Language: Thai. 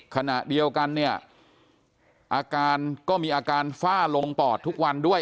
ขณะเดียวกันเนี่ยอาการก็มีอาการฝ้าลงปอดทุกวันด้วย